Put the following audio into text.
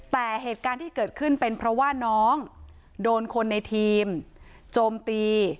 แต่เหตุการณ์ที่เกิดขึ้นเป็นเพราะว่าน้องโดนคนในทีมโจมตี